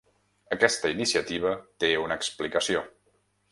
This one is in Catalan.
Aquesta iniciativa té una explicació.